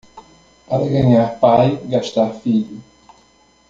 Para ganhar pai, gastar filho.